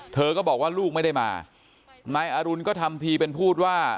เธอก็บอกว่าลูกไม่ได้มานายอรุณก็ทำทีเป็นพูดว่า